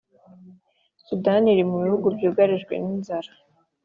Sudani iri mu bihugu by’ ugarijwe n’ inzara